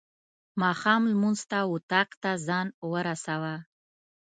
ماښام لمونځ ته اطاق ته ځان ورساوه.